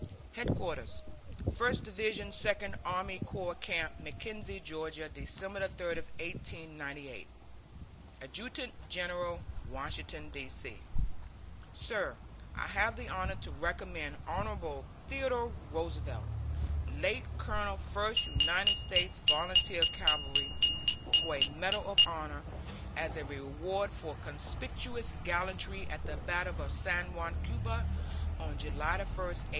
HEADQUARTERS FIRST DIVISION SECOND ARMY CORPS CAMP MACKENZIE, GA., December 30, 1898. ADJUTANT GENERAL, Washington, D. C. SIR: I have the honor to recommend Hon. Theodore Roosevelt, late Colonel First United States Volunteer Cavalry, for a medal of honor, as a reward for conspicuous gallantry at the battle of San Juan, Cuba, on July 1, 1898.